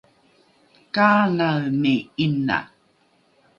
kaanaeni ’ina?